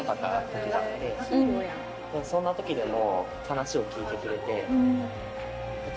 そんな時でも。